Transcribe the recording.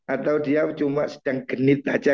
atau dia cuma sedang genit aja